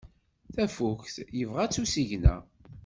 Tafukt yeɣba-tt usigna.